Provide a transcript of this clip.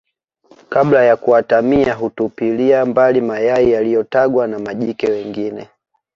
kabla ya kuatamia hutupilia mbali mayai yaliyotagwa na majike wengine